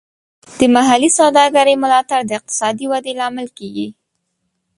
د محلي سوداګرۍ ملاتړ د اقتصادي ودې لامل کیږي.